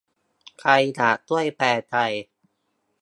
ใครอยากช่วยแปลไทย